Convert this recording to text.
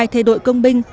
hai thề đội công binh